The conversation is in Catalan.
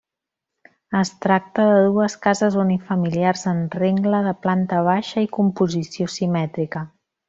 Es tracta de dues cases unifamiliars en rengle de planta baixa i composició simètrica.